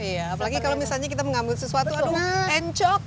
iya apalagi kalau misalnya kita mengambil sesuatu aduh encok